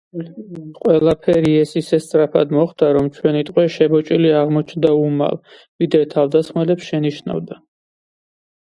ყველაფერი ეს ისე სწრაფად მოხდა, რომ ჩვენი ტყვე შებოჭილი აღმოჩნდა უმალ, ვიდრე თავდასხმელებს შენიშნავდა